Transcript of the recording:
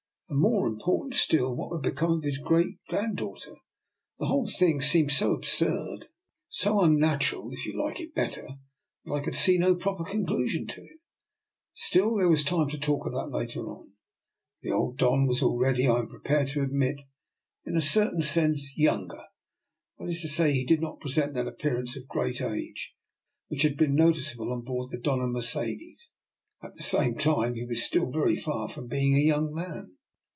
And more important still, what would become of his great granddaughter? The whole thing seemed so absurd — so un natural, if you like it better — that I could see no proper conclusion to it. Still there was time to talk of that later on. The old Don 212 DR. NIKOLA'S EXPERIMENT. was already, I am prepared to admit, in a cer tain sense, younger; that is to say, he did not present that appearance of great age which had been noticeable on board the Dona Mer cedes; at the same time he was still very far from being a young man.